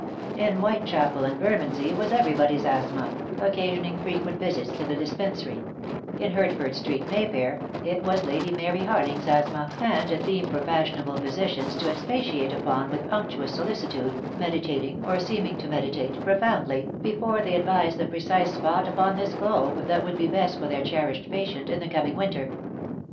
In White 6 DEAD LOVE HAS CHAINS. chapel and Bennondsey it was everybody's asthma, occasioning frequent visits to the Dispensary; in Hertford Street, May fair, it was Lady Mary Har ling's asthma, and a theme for fashionable physicians to expatiate upon with unctuous solicitude, meditat ing, or seeming to meditate, profoundly, before they advised the precise spot upon this globe that would be best for their cherished patient in the coming winter.